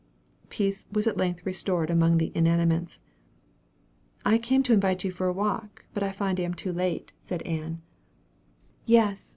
Peace was at length restored among the inanimates. "I came to invite you to walk; but I find I am too late," said Ann. "Yes.